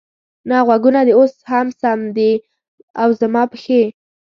نه، غوږونه دې اوس هم سم دي، او زما پښې؟